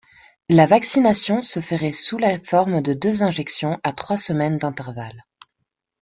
La vaccination se ferait sous la forme de deux injections à trois semaines d’intervalle.